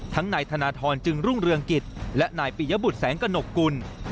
นายธนทรจึงรุ่งเรืองกิจและนายปิยบุตรแสงกระหนกกุล